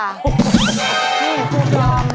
นี่ครูปลอม